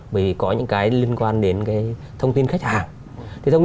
bởi vì có những cái liên quan đến cái thông tin khách hàng